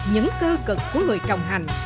những cư cực của người trồng hành